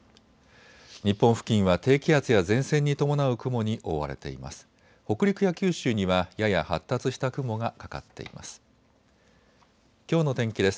日本付近は低気圧や前線に伴う雲に覆われています。